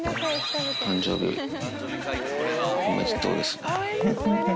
誕生日おめでとうですね。